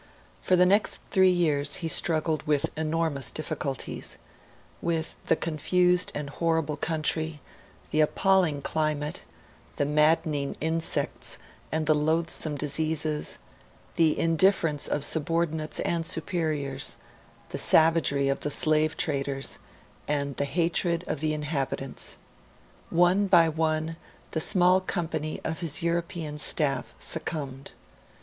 For the next three years he struggled with enormous difficulties with the confused and horrible country, the appalling climate, the maddening insects and the loathsome diseases, the indifference of subordinates and superiors, the savagery of the slave traders, and the hatred of the inhabitants. One by one the small company of his European staff succumbed.